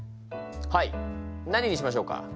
はい何にしましょうか？